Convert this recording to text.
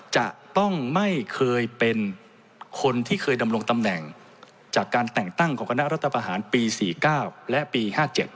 จะต้องไม่เคยเป็นคนที่เคยดำรงตำแหน่งจากการแต่งตั้งของคณะรัฐประหารปี๔๙และปี๕๗